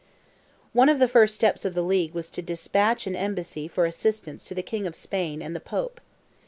One of the first steps of the League was to despatch an embassy for assistance to the King of Spain and the Pope.